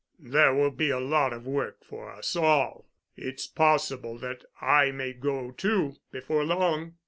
There will be a lot of work for us all. It's possible that I may go, too, before long.